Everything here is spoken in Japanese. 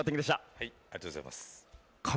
ありがとうございます。